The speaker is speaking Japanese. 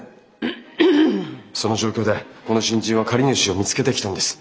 その状況でこの新人は借り主を見つけてきたんです。